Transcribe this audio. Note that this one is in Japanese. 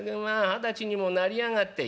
二十歳にもなりやがって。